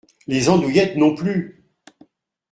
Les andouillettes non plus !